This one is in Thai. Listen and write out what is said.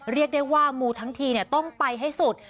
เรียกได้ว่ามูทั้งทีต้องไปให้สุด